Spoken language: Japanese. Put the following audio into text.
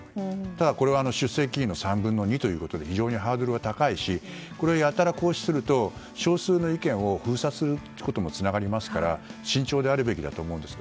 ただこれは出席議員の３分の２ということで非常にハードルが高いしこれをやたら行使すると少数の意見を封鎖することにつながりますから慎重であるべきだと思うんです。